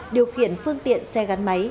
điều khiển phương tiện xe gắn máy